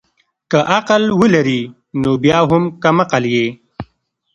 که عقل ولري نو بيا هم کم عقل يي